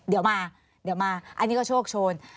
เดี๋ยวมาเดี๋ยวมาอันนี้ก็โชคโชน